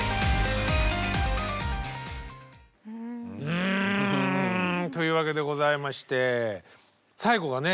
うんというわけでございまして最後がね